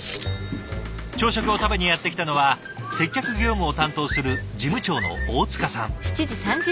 朝食を食べにやって来たのは接客業務を担当する事務長の大塚さん。